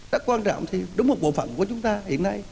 rất quan trọng thì đúng một bộ phận của chúng ta hiện nay